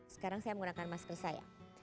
sekarang saya menggunakan masker saya